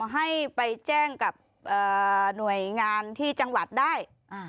ให้ไปแจ้งกับหน่วยงานที่จังหวัดได้